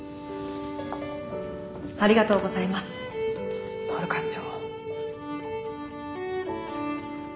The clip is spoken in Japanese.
ありがとうございますトオル艦長。